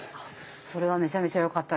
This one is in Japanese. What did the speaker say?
それはめちゃめちゃよかったです。